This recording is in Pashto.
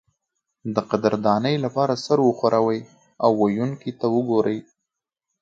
د قدردانۍ لپاره سر وښورئ او ویونکي ته وګورئ.